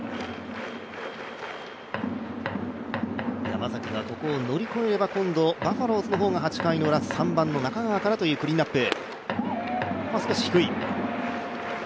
山崎がここを乗り越えれば今度、バファローズの方が８回ウラ３番の中川からというクリーンアップ。